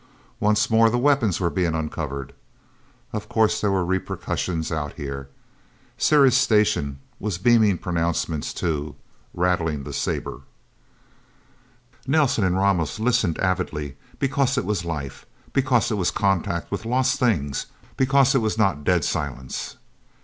Once more, the weapons were being uncovered. Of course there were repercussions out here. Ceres Station was beaming pronouncements, too rattling the saber. Nelsen and Ramos listened avidly because it was life, because it was contact with lost things, because it was not dead silence.